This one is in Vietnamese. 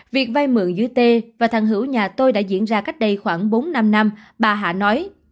việc vay mượn dưới tê và thần hữu nhà tôi đã diễn ra cách đây khoảng bốn năm năm bà hạ nói